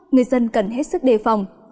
người dân cần hết sức đề phòng